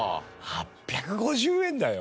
８５０円だよ！